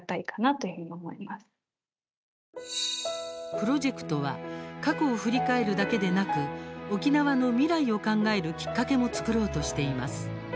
プロジェクトは過去を振り返るだけでなく沖縄の未来を考えるきっかけも作ろうとしています。